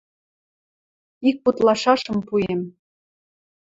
Ик пуд лашашым пуэм...